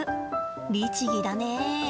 律儀だね。